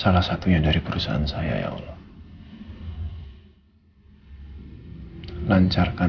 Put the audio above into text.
dan yang akan saya lakukan